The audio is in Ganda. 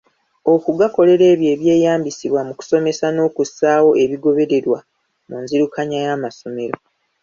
Okugakolera ebyo eby’eyambisibwa mu kusomesa n’okussaawo ebigobererwa mu nzirukanya y’amasomero.